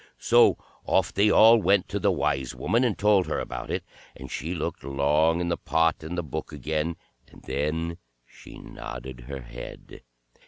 So off they all went to the Wise Woman, and told her about it, and she looked long in the pot and the Book again, and then she nodded her head.